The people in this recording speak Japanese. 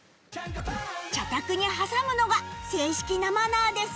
茶たくに挟むのが正式なマナーですが